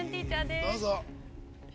◆どうぞ。